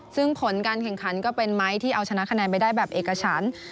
ซึ่งผลการแข่งขันก็เป็นไม้ที่เอาชนะคะแนนไปได้แบบเอกฉัน